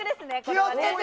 気を付けて！